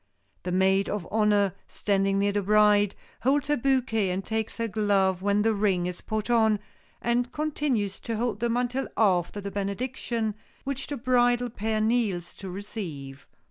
The maid of honor, standing near the bride, holds her bouquet and takes her glove when the ring is put on, and continues to hold them until after the benediction, which the bridal pair kneels to receive.